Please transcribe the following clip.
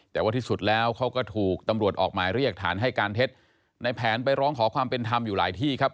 แต่ว่าที่สุดแล้วเขาก็ถูกตำรวจออกหมายเรียกฐานให้การเท็จในแผนไปร้องขอความเป็นธรรมอยู่หลายที่ครับ